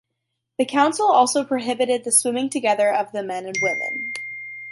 The council also prohibited the swimming together of the men and women.